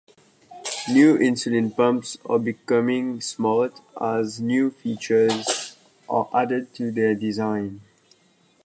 New insulin pumps are becoming "smart" as new features are added to their design.